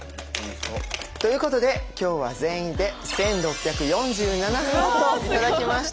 ということで今日は全員で１，６４７ハート頂きました。